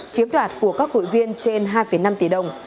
chiếm đoạt của các hội viên trên hai năm tỷ đồng